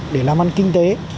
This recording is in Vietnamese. để làm ăn kinh tế